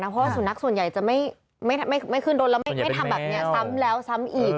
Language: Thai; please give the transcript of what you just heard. เพราะว่าสุนัขส่วนใหญ่จะไม่ขึ้นรถแล้วไม่ทำแบบนี้ซ้ำแล้วซ้ำอีก